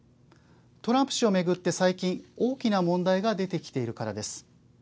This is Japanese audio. トランプ氏を巡って、最近大きな問題が出てきているからです。